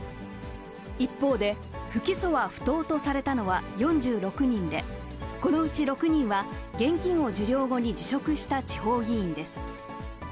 一方で、不起訴は不当とされたのは４６人で、このうち６人は現金を受領後に辞職した地方議員です。